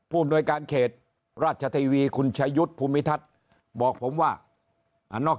อำนวยการเขตราชทีวีคุณชายุทธ์ภูมิทัศน์บอกผมว่าอ่านอก